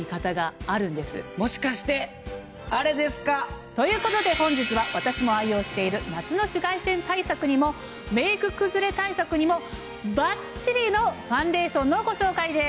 もしかしてあれですか？ということで本日は私も愛用している夏の紫外線対策にもメイク崩れ対策にもバッチリのファンデーションのご紹介です。